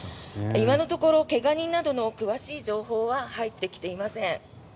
今のところ怪我人などの詳しい情報は入ってきていません。